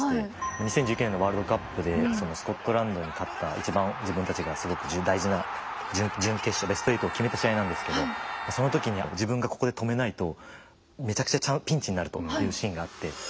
２０１９年のワールドカップでスコットランドに勝った一番自分たちがすごく大事な準決勝ベスト８を決めた試合なんですけどその時に自分がここで止めないとめちゃくちゃピンチになるというシーンがあって。